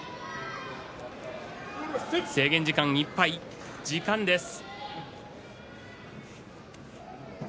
制限時間いっぱい、時間です。